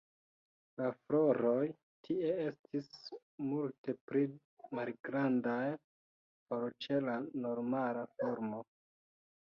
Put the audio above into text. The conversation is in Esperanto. La floroj tie estis multe pli malgrandaj ol ĉe la normala formo.